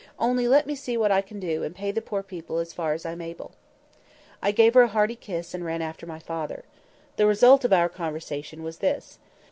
Only let me see what I can do, and pay the poor people as far as I'm able." I gave her a hearty kiss, and ran after my father. The result of our conversation was this.